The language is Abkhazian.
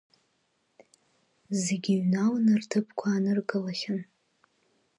Зегьы ҩналаны, рҭыԥқәа ааныркылахьан.